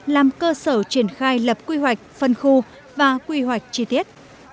làm cơ sở triển khai lập quy hoạch phân khu và quy hoạch chi tiết